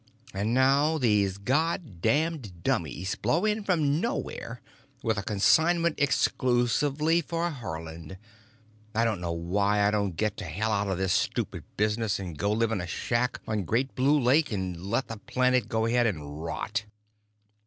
And now these God damned dummies blow in from nowhere with a consignment exclusively for Haarland—I don't know why I don't get to hell out of this stupid business and go live in a shack on Great Blue Lake and let the planet go ahead and rot."